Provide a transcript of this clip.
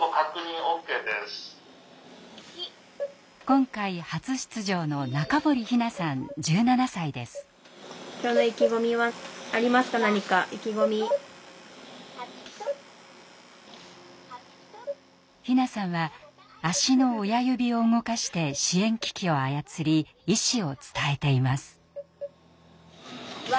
今回初出場の陽菜さんは足の親指を動かして支援機器を操り意思を伝えています。